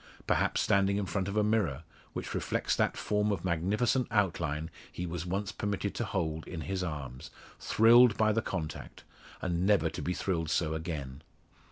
Perhaps standing in front of a mirror, which reflects that form of magnificent outline he was once permitted to hold in his arms, thrilled by the contact, and never to be thrilled so again!